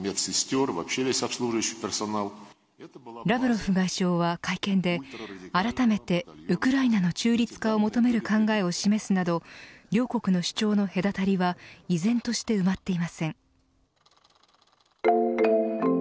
ラブロフ外相は会見であらためてウクライナの中立化を求める考えを示すなど両国の主張の隔たりは依然として埋まっていません。